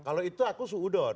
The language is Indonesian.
kalau itu aku suhudon